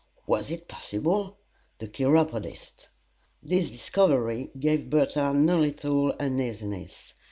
Was it possible? The Chiropodist! This discovery gave Bertha no little uneasiness.